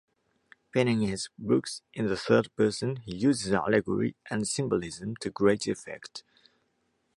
Penning his books in the third-person, he uses allegory and symbolism to great effect.